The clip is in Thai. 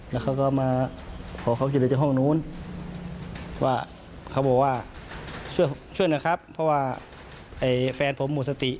แล้วเขาก็มาพอกับเขาทุกว่าช่วยหน่อยครับเพราะว่าไอ้แฟนผมหมดสติ